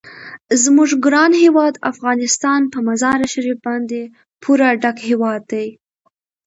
زموږ ګران هیواد افغانستان په مزارشریف باندې پوره ډک هیواد دی.